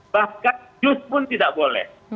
bahkan jus pun tidak boleh